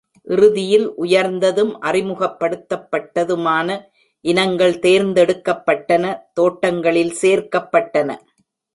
இறுதியில் உயர்ந்ததும் அறிமுகப்படுத்தப்பட்டதுமான இனங்கள் தேர்ந்தெடுக்கப்பட்டன; தோட்டங்களில் சேர்க்கப்பட்டன.